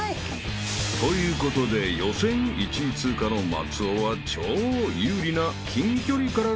［ということで予選１位通過の松尾は超有利な近距離からのスタート］